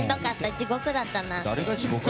地獄だったな。